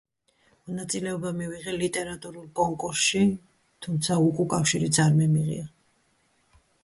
მონაწილეობა მივიღე ლიტერატურულ კონკურსში, თუმცა უკუკავშირიც არ მიმიღია.